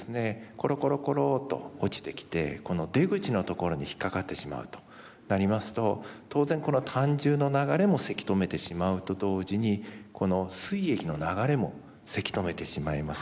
コロコロコロッと落ちてきてこの出口のところに引っ掛かってしまうとなりますと当然これは胆汁の流れもせき止めてしまうと同時にこのすい液の流れもせき止めてしまいます。